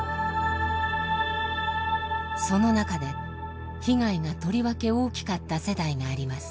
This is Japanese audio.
その中で被害がとりわけ大きかった世代があります。